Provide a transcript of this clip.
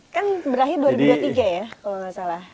kan berakhir dua ribu dua puluh tiga ya kalau nggak salah